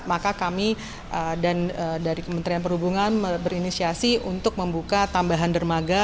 maka kami dan dari kementerian perhubungan berinisiasi untuk membuka tambahan dermaga